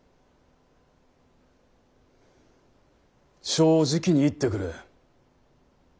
正直に言ってくれ。